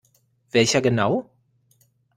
Welcher genau?